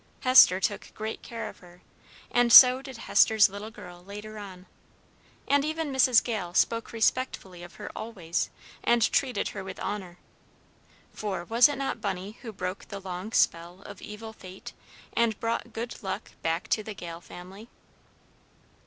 Hester took great care of her, and so did Hester's little girl later on; and even Mrs. Gale spoke respectfully of her always, and treated her with honor. For was it not Bunny who broke the long spell of evil fate, and brought good luck back to the Gale family?